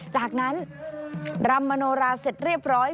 จากนั้นรำมโนราเสร็จเรียบร้อย